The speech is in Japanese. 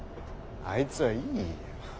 あいつはいいよ。